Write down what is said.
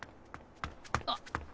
あっ。